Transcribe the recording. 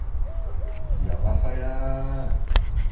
自由發揮啦